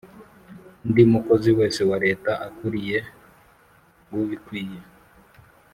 undi mukozi wese wa Leta akuriye ubikwiye